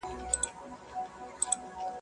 له څپو څخه د امن و بېړۍ ته.